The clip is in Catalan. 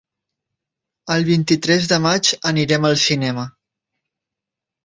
El vint-i-tres de maig anirem al cinema.